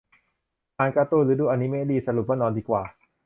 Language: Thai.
อ่านการ์ตูน หรือดูอนิเมะดี สรุปว่านอนดีกว่า